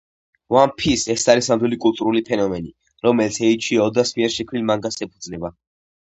One Piece — ეს არის ნამდვილი კულტურული ფენომენი, რომელიც ეიჩირო ოდას მიერ შექმნილ მანგას ეფუძნება.